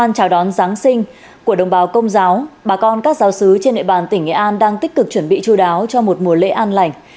chào đón chào đón giáng sinh của đồng bào công giáo bà con các giáo sứ trên địa bàn tỉnh nghệ an đang tích cực chuẩn bị chú đáo cho một mùa lễ an lành